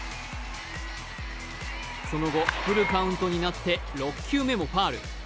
その後、フルカウントになって６球目もファウル。